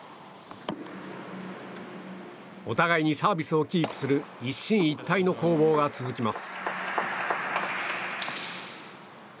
お互いにサービスをキープする一進一退の攻防が続きます。